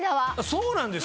そうなんですよ。